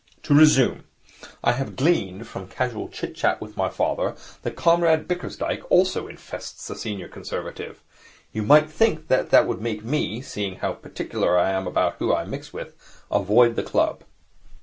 To resume. I have gleaned, from casual chit chat with my father, that Comrade Bickersdyke also infests the Senior Conservative. You might think that that would make me, seeing how particular I am about whom I mix with, avoid the club.